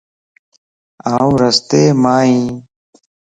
آن رستي مائين